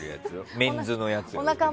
メンズのやつを。